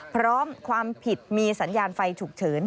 พร้อมความผิดมีสัญญาณไฟฉุกเฉิน